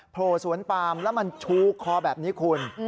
โผล่สวนปามแล้วมันชูคอแบบนี้คุณ